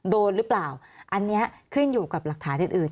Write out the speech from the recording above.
โดนหรือเปล่าอันนี้ขึ้นอยู่กับหลักฐานอื่น